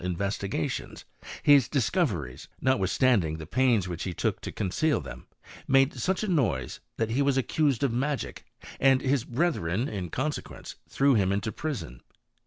investigations, hid discoveries, notwithstanding th6 pains which he took to conceal them, made such a noise, that he was accused of magic, and his btethreb in consequence threw him into prison.